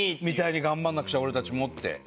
みたいに頑張んなくちゃ俺たちもって。